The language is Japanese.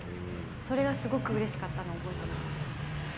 それがすごくうれしかったのを覚えています。